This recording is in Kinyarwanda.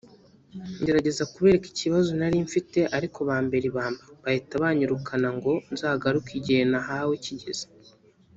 ngerageza kubereka ikibazo nari mfite ariko bambera ibamba bahita banyirukana ngo nzagaruke igihe nahawe kigeze”